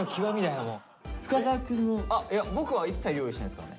いや僕は一切料理しないですからね。